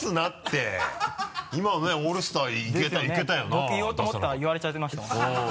僕言おうと思ったら言われちゃいましたもん。